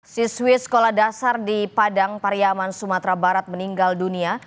siswi sekolah dasar di padang pariaman sumatera barat meninggal dunia